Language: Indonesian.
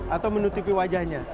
atau menutupi wajahnya